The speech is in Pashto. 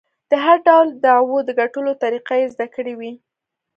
د هر ډول دعوو د ګټلو طریقې یې زده کړې وې.